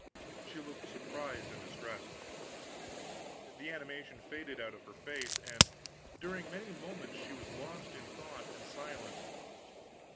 She looked surprised and distressed. The animation faded out of her face; and during many moments she was lost in thought and silent.